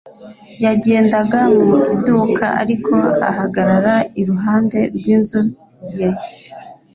Yagendaga mu iduka ariko ahagarara iruhande rwinzu ye